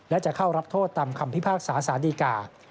และจะเข้ารับโทษตามคำพิพากษาสารดีกา